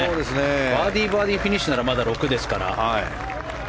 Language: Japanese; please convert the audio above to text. バーディーバーディーフィニッシュならまだ６ですから。